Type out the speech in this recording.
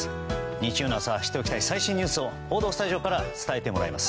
日曜の朝知っておきたい最新ニュースを報道スタジオから伝えてもらいます。